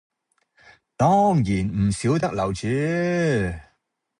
當然唔少得樓主